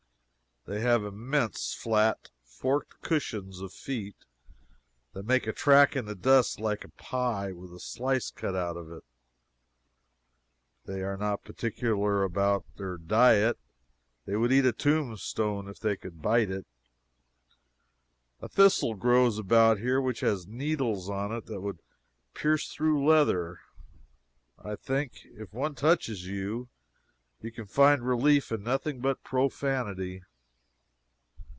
They have immense, flat, forked cushions of feet, that make a track in the dust like a pie with a slice cut out of it. They are not particular about their diet. They would eat a tombstone if they could bite it. A thistle grows about here which has needles on it that would pierce through leather, I think; if one touches you, you can find relief in nothing but profanity.